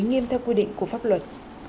nghiêm theo quy định của pháp luật